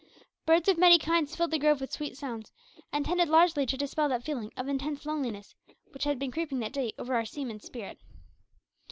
Birds of many kinds filled the grove with sweet sounds, and tended largely to dispel that feeling of intense loneliness which had been creeping that day over our seaman's spirit.